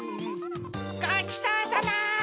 ごちそうさま！